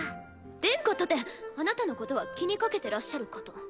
殿下とてあなたのことは気にかけてらっしゃるかと。